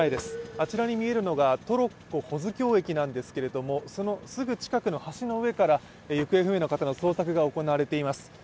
あちらに見えるのが、トロッコ保津峡駅なんですけれどもそのすぐ近くの橋の上から行方不明の方の捜索が行われています。